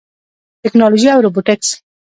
ټیکنالوژي او روبوټکس